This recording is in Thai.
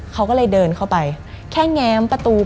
คุณกริจเดินเข้าไปแค่แง้มประตู